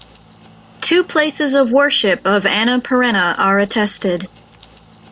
Two places of worship of Anna Perenna are attested.